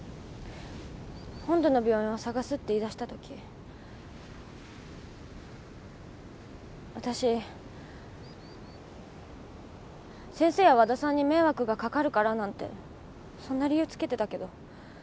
本土の病院を探すって言いだしたときわたし先生や和田さんに迷惑がかかるからなんてそんな理由つけてたけど。